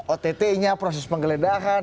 ott nya proses penggeledahan